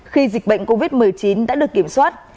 khi dịch bệnh covid một mươi chín đã được kiểm soát